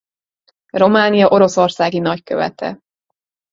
Románia oroszországi nagykövete.